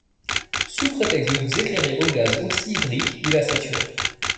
Sous prétexte de vous éclairer au gaz oxy-hydrique, il a saturé…